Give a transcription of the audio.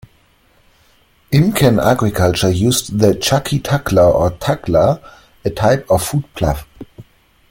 Incan agriculture used the "chaki taklla" or "taklla", a type of foot plough.